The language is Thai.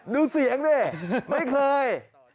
ดูเสียงดิไม่เคย